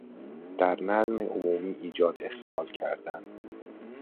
در نظم عمومی ایجاد اخلال کردن